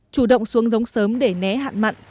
chủ động xuống giống sớm để né hạn mặn